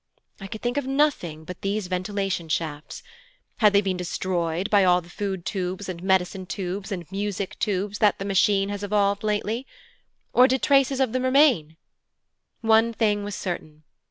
I could think of nothing but these ventilation shafts. Had they been destroyed by all the food tubes and medicine tubes and music tubes that the Machine has evolved lately? Or did traces of them remain? One thing was certain.